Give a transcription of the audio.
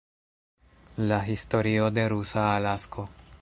La historio de rusa Alasko.